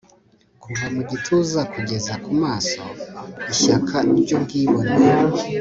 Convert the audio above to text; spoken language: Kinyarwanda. Kuva mu gituza kugeza kumaso ishyaka ryubwibone